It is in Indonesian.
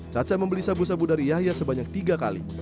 caca membeli sabu sabu dari yahya sebanyak tiga kali